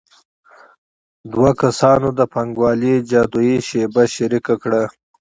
دوه کسانو د پانګوالۍ جادويي شیبه شریکه کړه